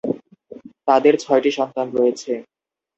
তাদের ছয়টি সন্তান রয়েছে।